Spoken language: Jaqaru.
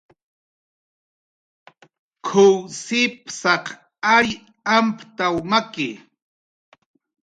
"K""uw sipsaq ariy amptaw maki"